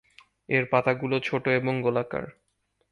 এর পাতাগুলো ছোট এবং গোলাকার।